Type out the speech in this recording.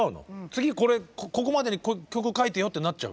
次これここまでに曲を書いてよってなっちゃう？